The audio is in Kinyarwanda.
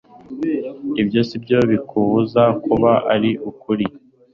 ibyo sibyo bikubuza kuba ari ukuri.